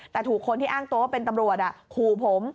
แต่ถูกคนที่อ้างตัวว่าเป็นตำรวจขู่ผม